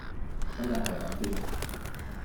今日係咁先